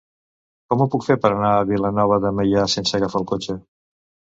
Com ho puc fer per anar a Vilanova de Meià sense agafar el cotxe?